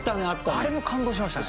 あれも感動しましたね。